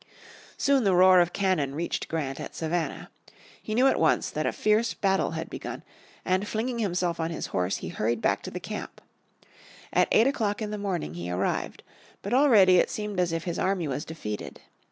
Soon the roar of cannon reached Grant at Savannah. He knew at once that a fierce battle had begun, and flinging himself on his horse he hurried back to the camp. At eight o'clock in the morning he arrived. But already it seemed as if his army was defeated.